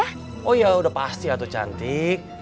oh iya udah pasti ya tuh cantik